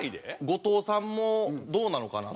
後藤さんもどうなのかなっていう。